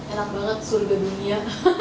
enak banget surga dunia